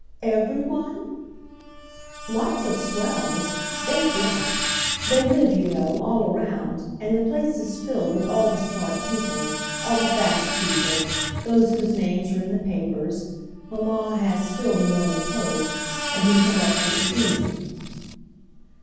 "Every one?" "Lots of swells. They flock. They live, you know, all round, and the place is filled with all the smart people, all the fast people, those whose names are in the papers—mamma has still The Morning Post—and who come up for the season."